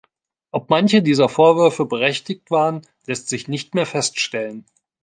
Ob manche dieser Vorwürfe berechtigt waren, lässt sich nicht mehr feststellen.